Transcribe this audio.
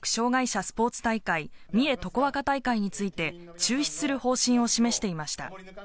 障害者スポーツ大会、三重とこわか大会について中止する方針を示していました。